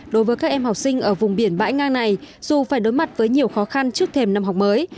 đối với các em học sinh ở vùng biển bãi nga này dù phải đối mặt với nhiều khó khăn trước thềm năm học mới